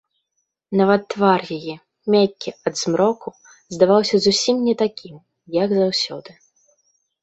Нават твар яе, мяккі ад змроку, здаваўся зусім не такім, як заўсёды.